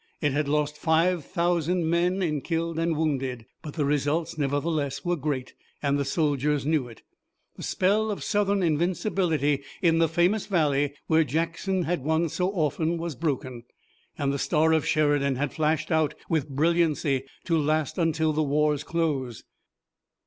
It had lost five thousand men in killed and wounded, but the results, nevertheless, were great and the soldiers knew it. The spell of Southern invincibility in the famous valley, where Jackson had won so often, was broken, and the star of Sheridan had flashed out with brilliancy, to last until the war's close.